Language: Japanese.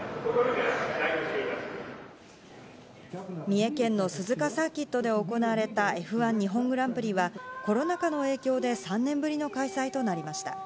三重県の鈴鹿サーキットで行われたＦ１日本グランプリは、コロナ禍の影響で３年ぶりの開催となりました。